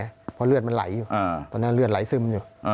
เพราะเลือดมันไหลอยู่ตอนนั้นเลือดไหลซึมอยู่